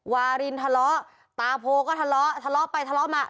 วารินทะเลาะตาโพก็ทะเลาะทะเลาะไปทะเลาะมา